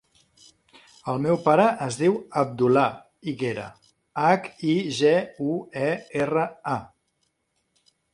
El meu pare es diu Abdullah Higuera: hac, i, ge, u, e, erra, a.